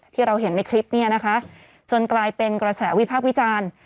ที่เราเห็นในคลิปนี้นะคะจนกลายเป็นกระแสวิพากษ์วิจารณ์